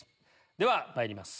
ではまいります